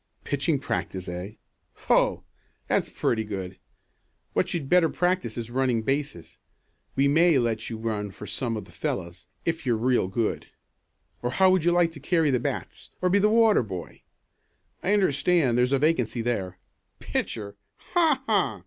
Pitching practice, eh? Ho! That's pretty good! What you'd better practice is running bases. We may let you run for some of the fellows, if you're real good. Or how would you like to carry the bats or be the water boy? I understand there's a vacancy there. Pitcher! Ha! Ha!"